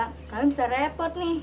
kami bisa rap